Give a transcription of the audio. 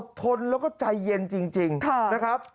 ทนแล้วก็ใจเย็นจริงนะครับ